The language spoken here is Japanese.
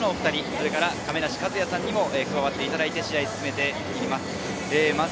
そして亀梨和也さんにも加わっていただいて試合を進めています。